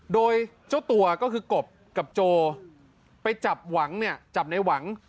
โดยเจ้าตัวก็คือกบกับโจไปจับหวังเนี่ยจับในหวัง